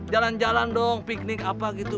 jalan jalan dong piknik apa gitu